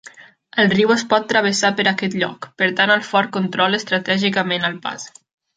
El riu es pot travessar per aquest lloc, per tant el fort controla estratègicament el pas.